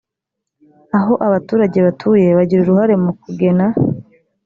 aho abaturage batuye bagira uruhare mu kugena